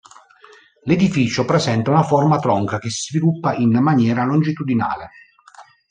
L'edificio presenta una forma tronca che si sviluppa in maniera longitudinale.